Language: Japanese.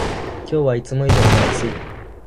今日はいつも以上に暑い